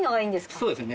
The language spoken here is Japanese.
そうですね